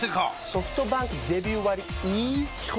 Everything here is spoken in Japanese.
ソフトバンクデビュー割イズ基本